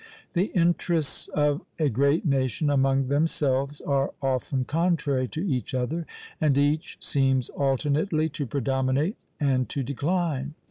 The interests of a great nation, among themselves, are often contrary to each other, and each seems alternately to predominate and to decline.